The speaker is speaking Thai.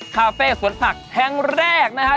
คาเฟ่สวนผักแห่งแรกนะครับ